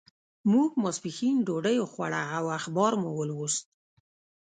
موږ ماسپښین ډوډۍ وخوړه او اخبار مو ولوست.